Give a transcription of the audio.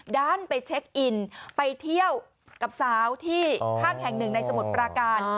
ด้านไปเช็คอินไปเที่ยวกับสาวที่ห้างแห่งหนึ่งในสมุทรปราการ